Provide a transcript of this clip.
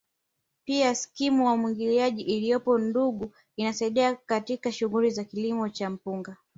Pia skimu ya umwagiliaji iliyopo Ndungu inasaidia katika shughuli za kilimo cha mpunga